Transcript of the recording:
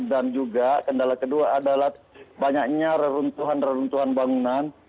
dan juga kendala kedua adalah banyaknya reruntuhan reruntuhan bangunan